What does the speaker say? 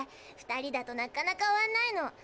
２人だとなかなか終わんないの。